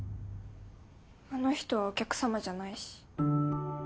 あの人はお客様じゃないし。